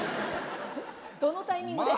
どのタイミングで？